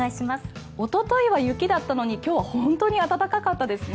おとといは雪だったのに今日は本当に暖かかかったですね。